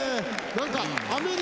何か。